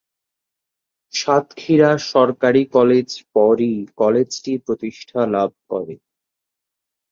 সাতক্ষীরা সরকারি কলেজ পরই কলেজটি প্রতিষ্ঠা লাভ করে।